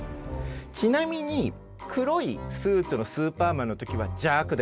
ちなみに黒いスーツのスーパーマンの時は邪悪です。